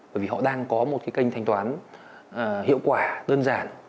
bởi vì họ đang có một cái kênh thanh toán hiệu quả đơn giản